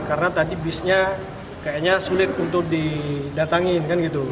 karena tadi busnya kayaknya sulit untuk didatangin kan gitu